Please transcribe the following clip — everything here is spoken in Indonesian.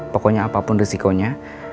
pokoknya apapun risikonya